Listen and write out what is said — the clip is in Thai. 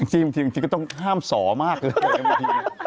จริงก็ต้องห้ามสอมากเลย